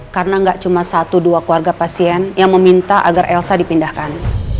karena gak cuma satu dua keluarga pasien yang meminta agar elsa dipindahkan